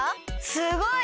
すごい！